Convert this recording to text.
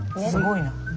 すごいな。